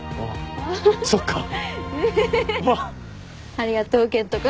ありがとう健人君。